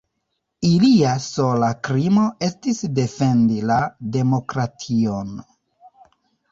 Ilia sola krimo estis defendi la demokration.